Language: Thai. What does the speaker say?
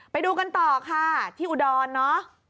ไปดูกันต่อค่ะที่อุดรเนอะ